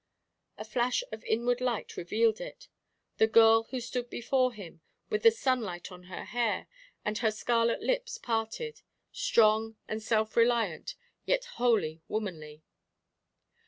A flash of inward light revealed it the girl who stood before him, with the sunlight on her hair, and her scarlet lips parted; strong and self reliant, yet wholly womanly.